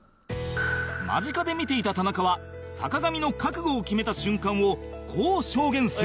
間近で見ていた田中は坂上の覚悟を決めた瞬間をこう証言する